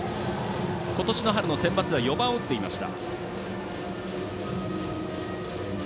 ことしの春のセンバツでは４番を打っていました。